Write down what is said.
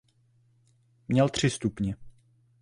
Měl tři stupně.